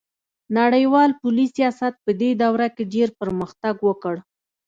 نړیوال پولي سیاست پدې دوره کې ډیر پرمختګ وکړ